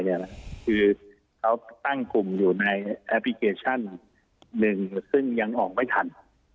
ก็คือตั้งกลุ่มอยู่ในแอปพลิเคชั่นหนึ่งซึ่งยังออกไม่ทัน